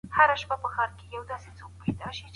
وې چې په تا باندې مې پېرزو خبرې نورې دي